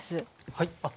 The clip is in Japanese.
はい。